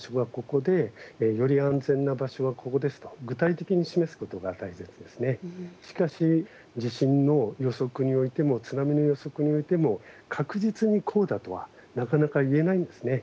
特にしかし地震の予測においても津波の予測においても確実にこうだとはなかなか言えないんですね。